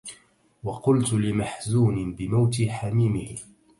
وقلت لمحزون بموت حميمه